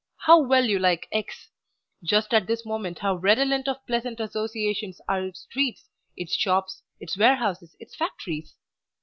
How well you like X ! Just at this moment how redolent of pleasant associations are its streets, its shops, its warehouses, its factories!